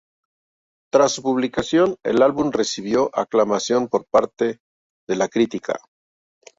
Tras su publicación, el álbum" "recibió aclamación por parte de la crítica.